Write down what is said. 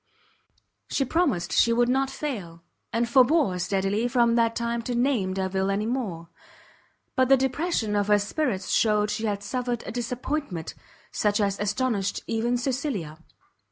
She promised she would not fail; and forbore steadily from that time to name Delvile any more: but the depression of her spirits shewed she had suffered a disappointment such as astonished even Cecilia.